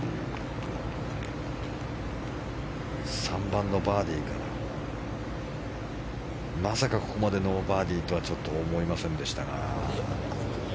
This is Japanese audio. ３番のバーディーからまさかここまでノーバーディーとはちょっと思いませんでしたが。